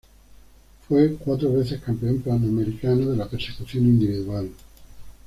Fue cuatro veces campeón panamericano de la persecución individual.